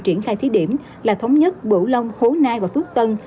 triển khai thí điểm là thống nhất bửu long khố nai và phước tân